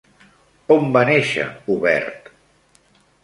On va néixer Hubert?